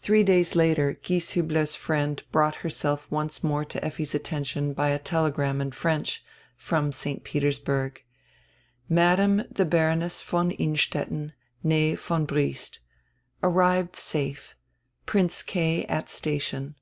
Three days later Gieshiibler's friend brought herself once more to Effi's attention by a telegram in French, from St. Petersburg: "Madame the Baroness von Innstetten, nee von Briest. Arrived safe. Prince K. at station.